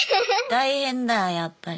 大変だあやっぱり。